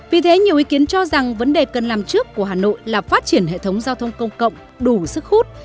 vì thế nhiều ý kiến cho rằng vấn đề cần làm trước của hà nội là phát triển hệ thống giao thông công cộng đủ sức hút